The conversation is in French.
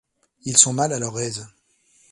Ils sont mal à leur aise.